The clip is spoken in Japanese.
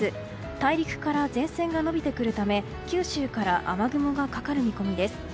大陸から前線が延びてくるため九州から雨雲がかかる見込みです。